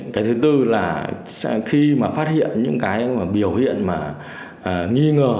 cái thứ tư là khi mà phát hiện những cái biểu hiện mà nghi ngờ